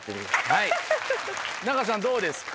はい仲さんどうですか？